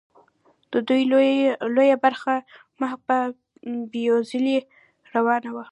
د دوی لویه برخه مخ په بیوزلۍ روانه وه.